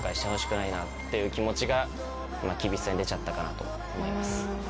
なっていう気持ちが厳しさに出ちゃったかなと思います。